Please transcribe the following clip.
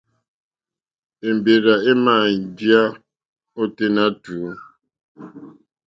Èmbèrzà èmà njíyá ôténá tùú.